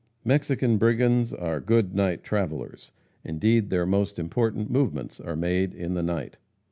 Mexican brigands are good night travellers. Indeed, their most important movements are made in the night.